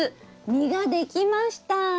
実ができました！